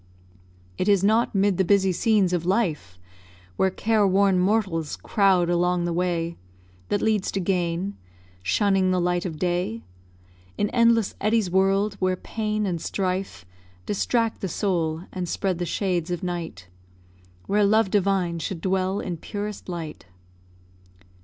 It is not 'mid the busy scenes of life, Where careworn mortals crowd along the way That leads to gain shunning the light of day; In endless eddies whirl'd, where pain and strife Distract the soul, and spread the shades of night, Where love divine should dwell in purest light.